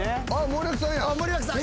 森脇さんや。